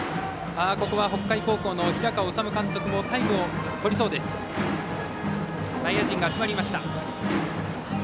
ここは北海高校の平川敦監督もタイムをとりそうです。